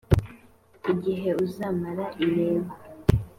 igihe uzamara intego